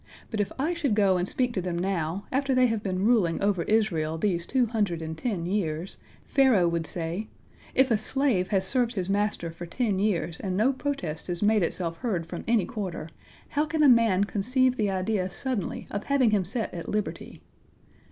But if I should go and speak to them now, after they have been ruling over Israel these two hundred and ten years, Pharaoh would say, 'If a slave has served his master for ten years, and no protest has made itself heard from any quarter, how can a man conceive the idea suddenly of having him set at liberty?'